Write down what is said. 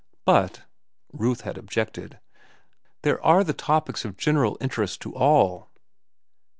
"But," Ruth had objected, "there are the topics of general interest to all."